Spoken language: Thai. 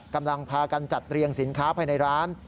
กำลังพากันจัดเรียงสินค้าภายในร้าน